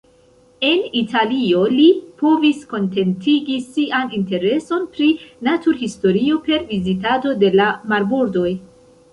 En Italio, li povis kontentigi sian intereson pri naturhistorio per vizitado de la marbordoj.